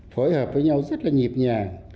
phối hợp với nhau rất là nhịp nhàng